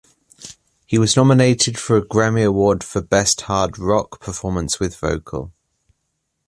It was nominated for a Grammy Award for Best Hard Rock Performance with Vocal.